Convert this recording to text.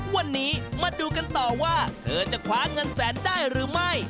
วันนี้มาดูกันต่อว่าเธอจะคว้าเงินแสนได้หรือไม่